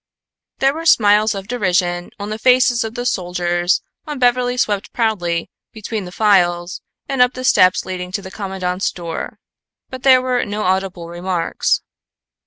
There were smiles of derision on the faces of the soldiers when Beverly swept proudly between the files and up the steps leading to the commandant's door, but there were no audible remarks.